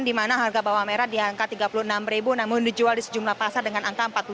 dimana harga bawang merah diangkat tiga puluh enam namun dijual di sejumlah pasar dengan angka empat puluh